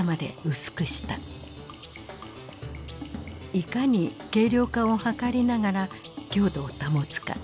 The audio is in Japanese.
いかに軽量化を図りながら強度を保つか。